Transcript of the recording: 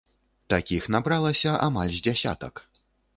Такіх набралася амаль з дзясятак.